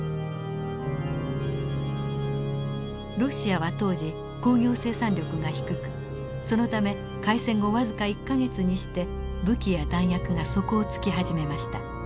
ロシアは当時工業生産力が低くそのため開戦後僅か１か月にして武器や弾薬が底をつき始めました。